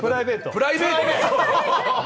プライベート。